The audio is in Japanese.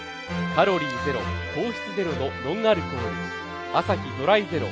カロリーゼロ、糖質ゼロのノンアルコールアサヒドライゼロ